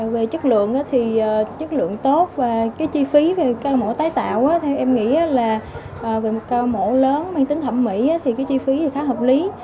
về chất lượng thì chất lượng tốt và cái chi phí về mổ tái tạo theo em nghĩ là về một mổ lớn mang tính thẩm mỹ thì cái chi phí thì khá hợp lý